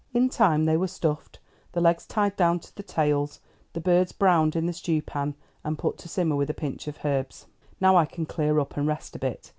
In time they were stuffed, the legs tied down to the tails, the birds browned in the stew pan, and put to simmer with a pinch of herbs. "Now I can clear up, and rest a bit.